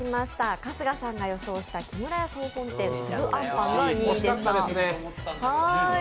春日さんが予想した木村屋總本店つぶあんぱんが２位でした。